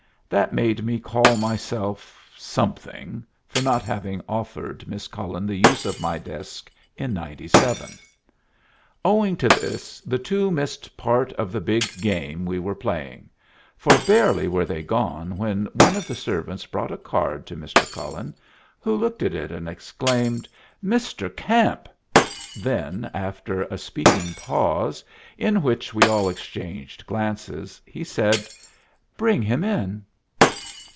That made me call myself something, for not having offered Miss Cullen the use of my desk in 97. Owing to this the two missed part of the big game we were playing; for barely were they gone when one of the servants brought a card to Mr. Cullen, who looked at it and exclaimed, "Mr. Camp!" Then, after a speaking pause, in which we all exchanged glances, he said, "Bring him in."